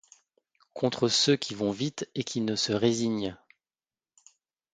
Contre ceux qui vont vite, et qui ne se résignent